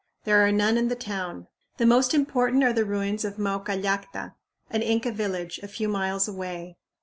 There are none in the town. The most important are the ruins of Maucallacta, an Inca village, a few miles away.